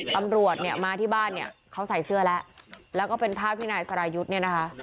ตำรวจเนี่ยมาที่บ้านเนี่ยเขาใส่เสื้อแล้วแล้วก็เป็นภาพที่นายสรายุทธ์เนี่ยนะคะ